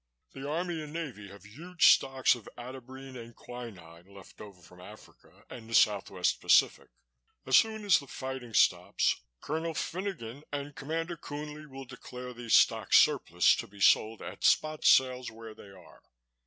The Army and Navy have huge stocks of atabrine and quinine left over from Africa and the South west Pacific. As soon as the fighting stops, Colonel Finogan and Commander Coonley will declare these stocks surplus to be sold at spot sales where they are.